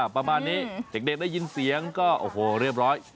ประมาณนี้เด็กได้ยินเสียงก็โอ้โหเรียบร้อย